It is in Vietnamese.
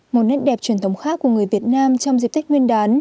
một nét đẹp truyền thống khác của người việt nam trong dịp tết nguyên đán